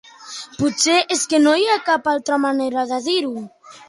Potser és que no hi ha cap altra manera de dir-ho.